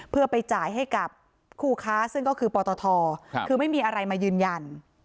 เพื่อไปจ่ายให้กับคู่ค้าซึ่งก็คือปตทคือไม่มีอะไรมายืนยัน